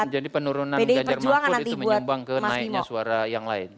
jadi penurunan ganjar mahfud itu menyumbang ke naiknya suara yang lain